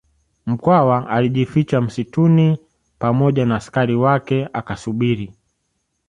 Mkwawa alijificha msituni pamoja na askari wake akasubiri